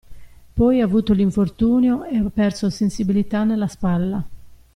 Poi ha avuto l'infortunio e ha perso sensibilità nella spalla.